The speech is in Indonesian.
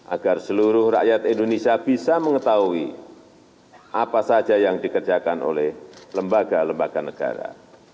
agar seluruh rakyat indonesia bisa mengetahui apa saja yang dikerjakan oleh lembaga lembaga negara